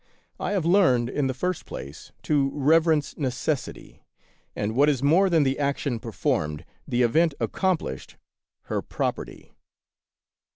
I have learned, in the first place, to reverence Necessity; and, what is more than the action performed, the event accom plished — her property.